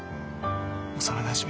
幼なじみ